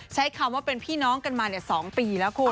ใช้คำว่าเป็นพี่น้องกันมา๒ปีแล้วคุณ